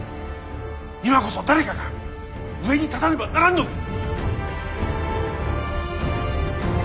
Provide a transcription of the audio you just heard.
今こそ誰かが上に立たねばならんのです！